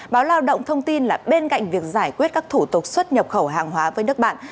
báo lao động thông tin là bên cạnh việc giải quyết các thủ tục xuất nhập khẩu hàng hóa với nước bạn